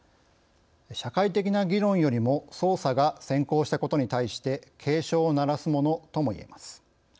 社会的な議論よりも捜査が先行したことに対して警鐘を鳴らすものともいえます。